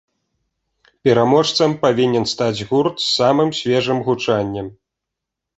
Пераможцам павінен стаць гурт з самым свежым гучаннем.